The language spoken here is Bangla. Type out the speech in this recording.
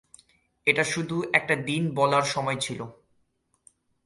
এটা শুধু... একটা দিন বলার সময় ছিল।